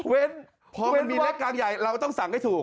เว้นพอมันมีเล็กกลางใหญ่เราต้องสั่งให้ถูก